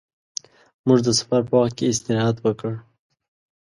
موږ د سفر په وخت کې استراحت وکړ.